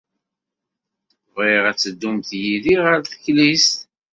Bɣiɣ ad teddum yid-i ɣer teklizt.